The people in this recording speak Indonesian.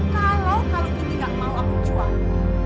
kalau kalau itu tidak mau aku jual